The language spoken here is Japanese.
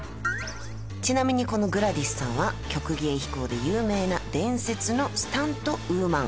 ちなみにこのグラディスさんは曲芸飛行で有名な伝説のスタントウーマン。